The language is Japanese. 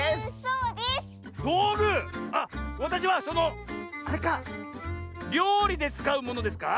あっわたしはそのあれかりょうりでつかうものですか？